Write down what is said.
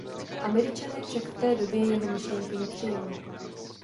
Američané však v té době jeho myšlenky nepřijali.